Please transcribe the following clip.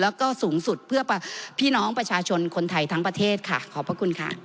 แล้วก็สูงสุดเพื่อพี่น้องประชาชนคนไทยทั้งประเทศค่ะขอบพระคุณค่ะ